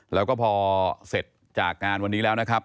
แล้วก็พอเสร็จจากงานวันนี้แล้วนะครับ